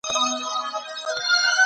د وینې فشار کنټرول کړئ.